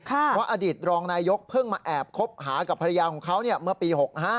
เพราะอดีตรองนายกเพิ่งมาแอบคบหากับภรรยาของเขาเมื่อปี๖๕